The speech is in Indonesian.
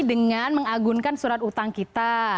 dengan mengagunkan surat utang kita